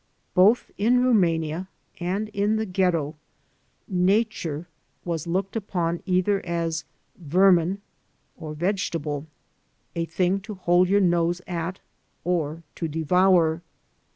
Both in Rumania and in the Ghetto nature was looked upon as either vermin or vegetable, a thing to hold your nose at or to devour.